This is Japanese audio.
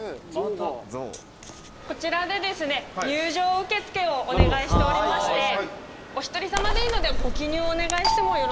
こちらで入場受け付けをお願いしておりましてお一人さまでいいのでご記入をお願いしてもよろしいですか。